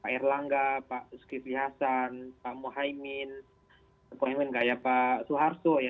pak erlangga pak skrifli hasan pak mohaimin pak suharto ya